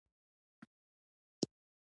هغه ځان ستړی ښود.